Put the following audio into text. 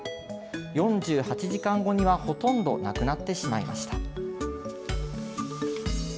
４８時間後にはほとんどなくなってしまいました。